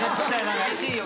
厳しいよ。